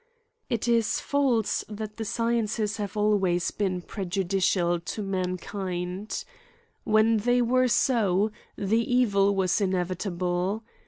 • It is false that the sciences have always been 152 AN ESSAY ON prejudicial to mankind. When they were so, the evil was inevitable.